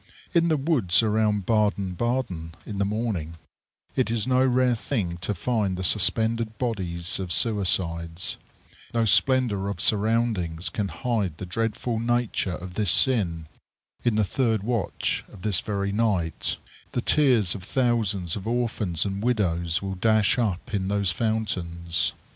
In the woods around Baden Baden, in the morning, it is no rare thing to find the suspended bodies of suicides. No splendor of surroundings can hide the dreadful nature of this sin. In the third watch of this very night, the tears of thousands of orphans and widows will dash up in those fountains.